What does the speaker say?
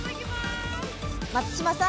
松嶋さん